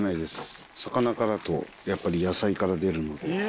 魚からとやっぱり野菜から出るので。